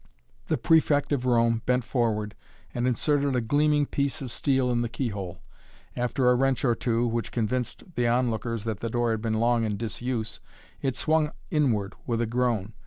The Prefect of Rome bent forward and inserted a gleaming piece of steel in the keyhole. After a wrench or two, which convinced the onlookers that the door had been long in disuse, it swung inward with a groan.